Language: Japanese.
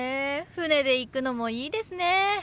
船で行くのもいいですね。